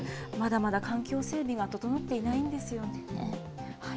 まだまだ環境整備が整っていないんですよね。